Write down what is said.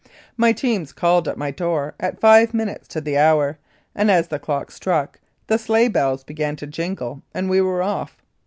My teams called at my door at five minutes to the hour, and, as the clock struck, the sleigh bells began to jingle and we were off.